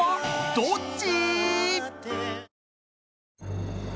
どっち？